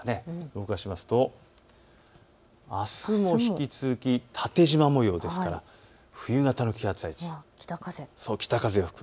動かしますとあすも引き続き縦じま模様ですから冬型の気圧配置、北風が吹く。